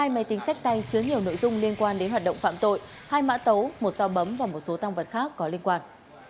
hai máy tính sách tay chứa nhiều nội dung liên quan đến hoạt động phạm tội hai mã tấu một sao bấm và một số tăng vật khác có liên quan